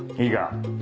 いいか？